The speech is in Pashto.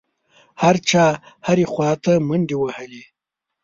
هر چا هرې خوا ته منډې وهلې.